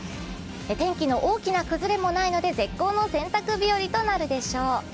天気の大きな崩れもないので絶好の洗濯日和となるでしょう。